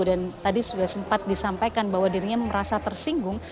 tadi sudah sempat disampaikan bahwa dirinya merasa tersinggung